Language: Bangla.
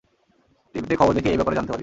টিভিতে খবর দেখেই এ ব্যাপারে জানতে পারি।